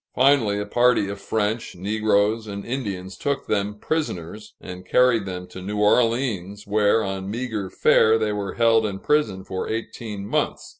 Finally, a party of French, negroes, and Indians took them prisoners and carried them to New Orleans, where on meager fare they were held in prison for eighteen months.